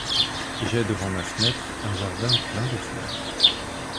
J'ai devant ma fenêtre un jardin plein de fleurs